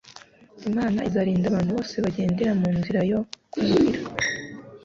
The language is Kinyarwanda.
Imana izarinda abantu bose bagendera mu nzira yo kumvira;